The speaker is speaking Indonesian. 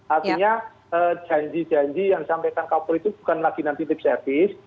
artinya janji janji yang saya sampaikan ke kapol itu bukan lagi nanti tips tips